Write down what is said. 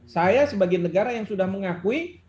saya sebagai negara yang sudah mengakui